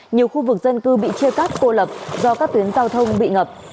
nhiều khu vực dân cư bị chia cắt cô lập do các tuyến giao thông bị ngập